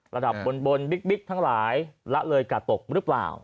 ระดับบนบิ๊กทั้งหลายละเลยกาดตกหรือเปล่า